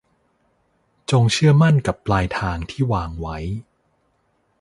จงเชื่อมั่นกับปลายทางที่วางไว้